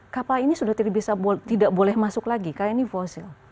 kapal ini sudah tidak boleh masuk lagi karena ini fosil